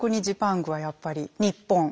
ジパングはやっぱり日本。